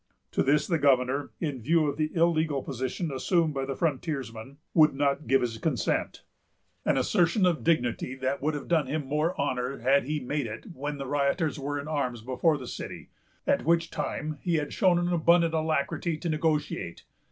To this the governor, in view of the illegal position assumed by the frontiersmen, would not give his consent; an assertion of dignity that would have done him more honor had he made it when the rioters were in arms before the city, at which time he had shown an abundant alacrity to negotiate.